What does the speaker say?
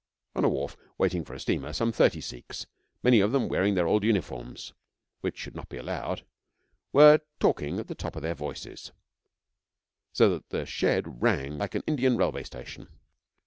On a wharf, waiting for a steamer, some thirty Sikhs, many of them wearing their old uniforms (which should not be allowed) were talking at the tops of their voices, so that the shed rang like an Indian railway station.